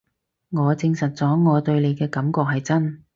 我證實咗我對你嘅感覺係真